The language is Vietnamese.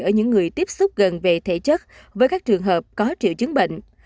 ở những người tiếp xúc gần về thể chất với các trường hợp có triệu chứng bệnh